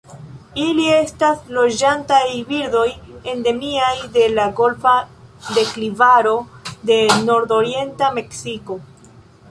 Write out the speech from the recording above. Ili estas loĝantaj birdoj endemiaj de la Golfa deklivaro de nordorienta Meksiko.